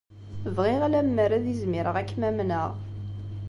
Bɣiɣ lemmer ad izmireɣ ad kem-amneɣ.